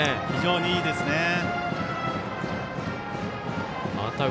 非常にいいですね。